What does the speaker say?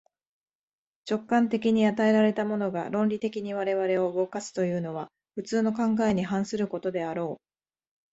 直観的に与えられたものが、論理的に我々を動かすというのは、普通の考えに反することであろう。